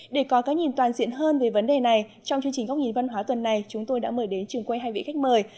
để có cái nhìn toàn diện hơn về vấn đề này trong chương trình góc nhìn văn hóa tuần này chúng tôi đã mời đến trường quay hai vị khách mời